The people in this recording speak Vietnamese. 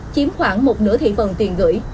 chiếm khoảng một nửa thị phần tiền gửi